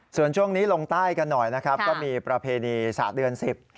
ส่วนช่วงนี้ลงใต้กันหน่อยนะครับก็มีประเพณีศาสตร์เดือนสิบ